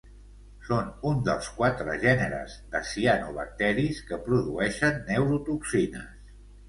Són un dels quatre gèneres de cianobacteris que produeixen neurotoxines.